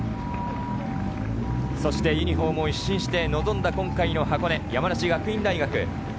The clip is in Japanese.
そしてユニホームを一新して臨んだ今回の箱根、山梨学院大学。